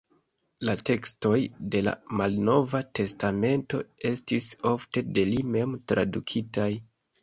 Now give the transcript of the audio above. La tekstoj de la Malnova Testamento estis ofte de li mem tradukitaj.